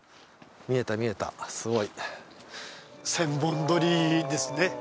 見えた見えたすごい千本鳥居ですね